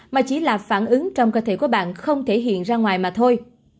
mà chỉ là phản ứng trong cơ thể của bạn không thể hiện ra ngoài mà thôi